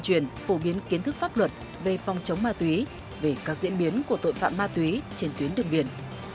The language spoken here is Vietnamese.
truyền phổ biến kiến thức pháp luật về phòng chống ma túy về các diễn biến của tội phạm ma túy trên tuyến đường biển